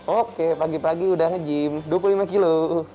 oke pagi pagi sudah hejim dua puluh lima kilo